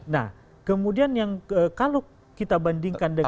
nah kemudian yang kalau kita bandingkan dengan